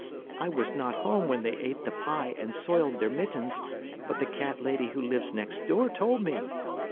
I was not home when they ate the pie and soiled their mittens, but the cat lady who lives next door told me.